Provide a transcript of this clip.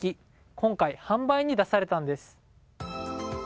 今回、販売に出されたんです。